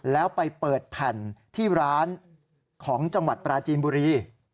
แล้วไปเปิดแผ่นที่ร้านของจังหวัดปราจีนบุรี